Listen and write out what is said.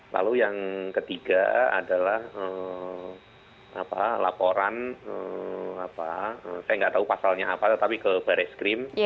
lalu yang ketiga adalah laporan saya nggak tahu pasalnya apa tapi ke bereskrim